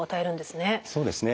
そうですね。